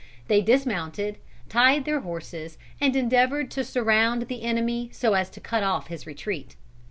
They dismounted, tied their horses, and endeavored to surround the enemy, so as to cut off his retreat.